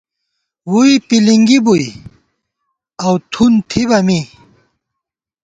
ووئی پِلِنگی بُوئی اؤ تھن ، تھِبہ می